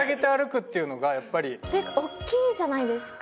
っていうか大きいじゃないですか。